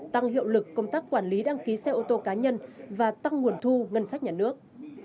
tăng hiệu lực công tác quản lý đăng ký xe ô tô cá nhân và tăng nguồn thu ngân sách nhà nước